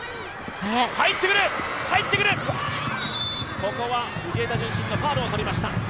ここは藤枝順心がファウルをとりました。